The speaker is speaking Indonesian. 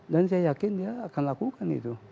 dan saya yakin dia akan lakukan itu